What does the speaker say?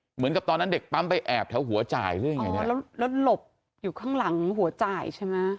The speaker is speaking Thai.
เหมือนกับตอนนั้นเด็กปั๊มไปแอบแถวหัวจ่ายหรือยังไงนะแล้วหลบอยู่ข้างหลังหัวจ่ายใช่ไหม